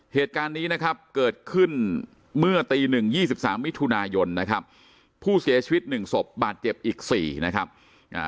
เหตุการณ์นี้นะครับเกิดขึ้นเมื่อตีหนึ่งยี่สิบสามมิถุนายนนะครับผู้เสียชีวิตหนึ่งศพบาดเจ็บอีกสี่นะครับอ่า